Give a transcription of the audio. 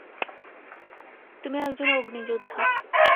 তুমি একজন অগ্নিযোদ্ধা।